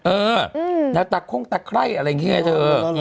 เออหน้าตาข้งตาไข้อะไรอย่างเงี้ยเธอ